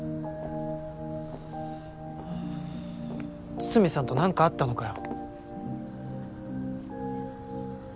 筒見さんとなんかあったのかよ？